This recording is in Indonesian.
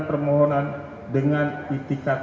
permohonan dengan itikad